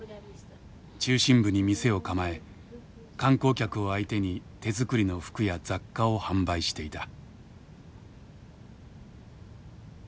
中心部に店を構え観光客を相手に手作りの服や雑貨を販売していた。